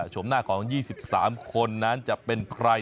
ชมหน้าของ๒๓คนนั้นจะเป็นใคร